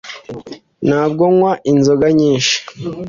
Ntabwo nywa inzoga nyinshi